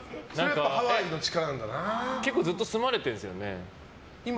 結構ずっと住まれてるんですよね。